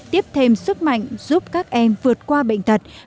tiếp thêm sức mạnh giúp các em vượt qua bệnh tật